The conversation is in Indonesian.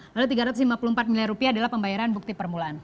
lalu tiga ratus lima puluh empat miliar rupiah adalah pembayaran bukti permulaan